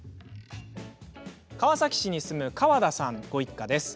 川崎市に住む川田さんご一家。